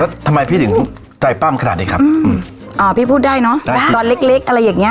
แล้วทำไมพี่ถึงใจปั้มขนาดนี้ครับอืมอ่าพี่พูดได้เนอะตอนเล็กเล็กอะไรอย่างเงี้